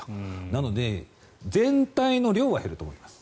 なので全体の量は減ると思います。